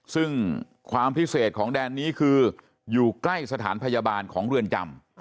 ซึ่งความพิเศษของแดนนี้คืออยู่ใกล้สถานพยาบาลของเรือนจำ